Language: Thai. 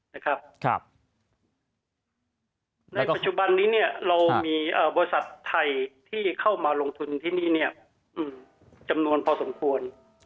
ในปัจจุบันนี้เรามีบริษัทไทยที่เข้ามาลงทุนที่นี่จำนวนพอสมควร